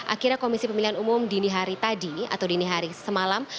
akhirnya komisi pemilihan umum dini hari tadi atau dini hari semalam